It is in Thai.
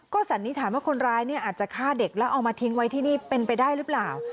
สันนิษฐานว่าคนร้ายเนี่ยอาจจะฆ่าเด็กแล้วเอามาทิ้งไว้ที่นี่เป็นไปได้หรือเปล่า